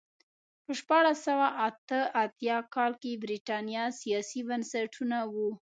په شپاړس سوه اته اتیا کال کې برېټانیا سیاسي بنسټونه وو.